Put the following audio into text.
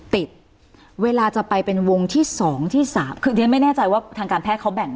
เวลาจะไปเป็นวงที่๒ที่๓คือเรียนไม่แน่ใจว่าทางการแพทย์เขาแบ่ง